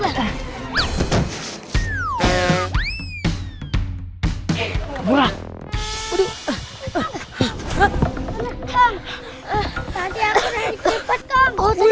tadi aku nangis cepet tengkong